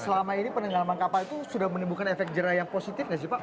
selama ini penenggelaman kapal itu sudah menimbulkan efek jerah yang positif nggak sih pak